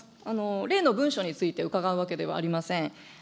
例の文書について伺うわけではありません。